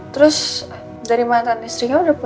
terus dari mantan istri kamu udah punya anak